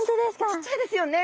ちっちゃいですよね。